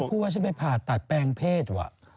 พูดว่าฉันไปผ่าตัดแปลงเพศว่ะ